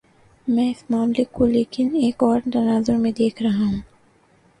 میں اس معاملے کو لیکن ایک اور تناظر میں دیکھ رہا ہوں۔